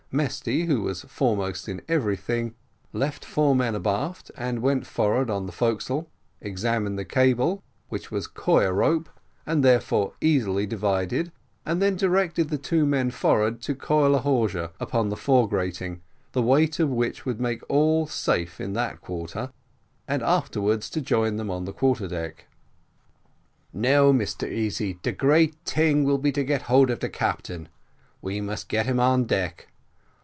Mesty, who was foremost in everything, left four men abaft and went forward on the forecastle, examined the cable, which was coir rope, and therefore easily divided, and then directed the two men forward to coil a hawser upon the fore grating, the weight of which would make all safe in that quarter, and afterwards to join them on the quarter deck. "Now, Mr Easy, the great ting will be to get hold of captain; we must get him on deck.